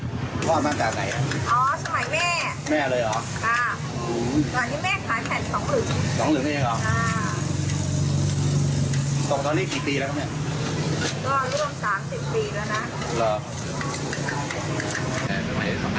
ดูสิบปีแล้วนะตั้งแต่ยังเด็กอยู่นะ